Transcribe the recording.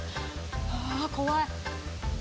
あ怖い！